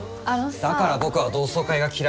だから僕は同窓会が嫌いなんです。